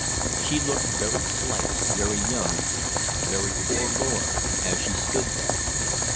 She looked very slight, very young, very forlorn, as she stood there.